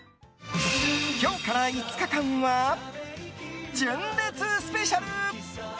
今日から５日間は純烈スペシャル。